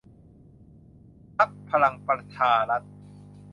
พรรคพลังประชารัฐ